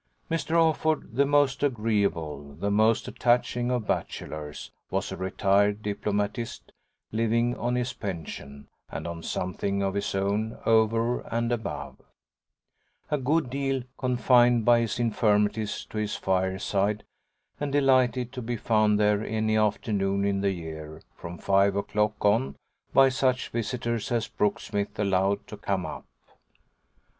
Mr. Offord, the most agreeable, the most attaching of bachelors, was a retired diplomatist, living on his pension and on something of his own over and above; a good deal confined, by his infirmities, to his fireside and delighted to be found there any afternoon in the year, from five o'clock on, by such visitors as Brooksmith allowed to come up.